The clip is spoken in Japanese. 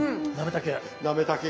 なめたけ。